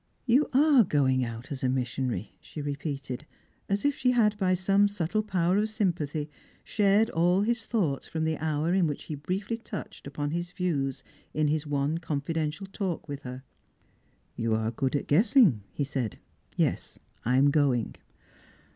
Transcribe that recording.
"You are going out as a missionary," she repeated, as if she had by some subtle power of sympathy shared all his thoughts from the hour in which he briefly touched upon his views in his one confidential talk with her. " You are good at guessing," he said. " Yes, I am going."